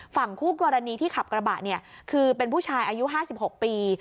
ฝั่งคู่กรณีที่ขับกระบะเนี่ยคือเป็นผู้ชายอายุ๕๖ปี